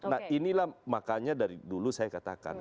nah inilah makanya dari dulu saya katakan